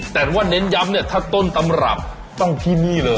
แต่ว่าเน้นย้ำเนี่ยถ้าต้นตำรับต้องที่นี่เลย